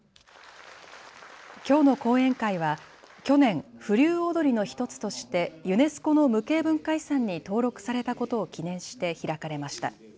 きょうの講演会は去年、風流踊の１つとしてユネスコの無形文化遺産に登録されたことを記念して開かれました。